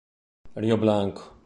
Rio Blanco